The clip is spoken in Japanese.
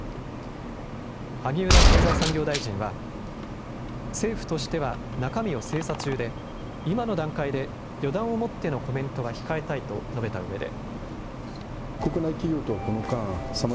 萩生田経済産業大臣は、政府としては中身を精査中で、今の段階で予断を持ってのコメントは控えたいと述べたうえで。